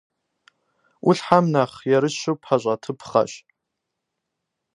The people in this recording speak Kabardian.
Ӏулъхьэм нэхъ ерыщу пэщӀэтыпхъэщ.